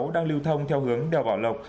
đang lưu thông theo hướng đèo bảo lộc